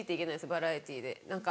バラエティーで。